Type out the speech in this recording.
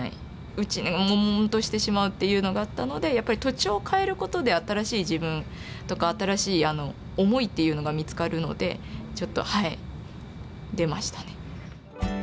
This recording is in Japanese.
内にもんもんとしてしまうっていうのがあったのでやっぱり土地を変えることで新しい自分とか新しい思いっていうのが見つかるのでちょっとはい出ましたね。